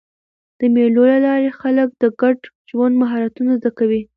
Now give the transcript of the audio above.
د مېلو له لاري خلک د ګډ ژوند مهارتونه زده کوي.